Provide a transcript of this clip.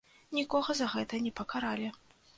Нікога за гэта не пакаралі.